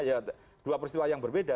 ya dua peristiwa yang berbeda